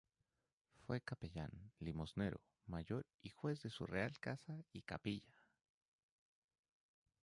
Fue capellán, limosnero mayor y juez de su real casa y capilla.